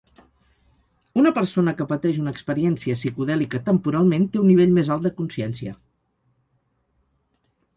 Una persona que pateix una experiència psicodèlica temporalment té un nivell més alt de consciència.